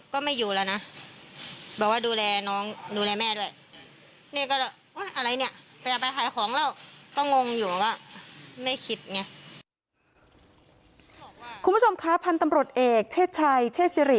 คุณผู้ชมคะพันธุ์ตำรวจเอกเชศชัยเชศสิริ